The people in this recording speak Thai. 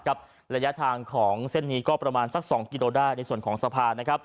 ระยะทางของเส้นนี้ก็ประมาณสัก๒กิโลได้ในส่วนของสะพาน